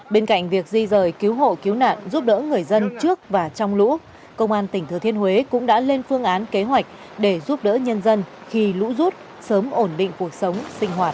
bên cạnh việc di rời cứu hộ cứu nạn giúp đỡ người dân trước và trong lũ công an tỉnh thừa thiên huế cũng đã lên phương án kế hoạch để giúp đỡ nhân dân khi lũ rút sớm ổn định cuộc sống sinh hoạt